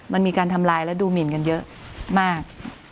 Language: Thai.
มันมีการทำลายและดูหมินกันเยอะมาก